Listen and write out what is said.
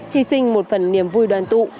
hy sinh một phần niềm vui đoàn tụ